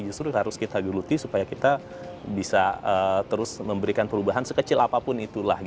justru harus kita geluti supaya kita bisa terus memberikan perubahan sekecil apapun itulah